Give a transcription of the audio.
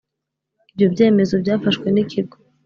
ibyo byemezo byafashwe n’Ikigo